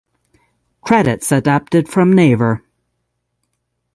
Credits adapted from Naver